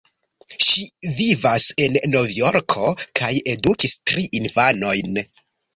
Ŝi vivas en Novjorko kaj edukis tri infanojn.